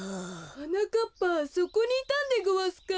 はなかっぱそこにいたんでごわすか。